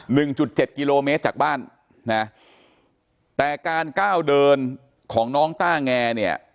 หนึ่งจุดเจ็ดกิโลเมตรจากบ้านนะแต่การก้าวเดินของน้องต้าแงเนี่ย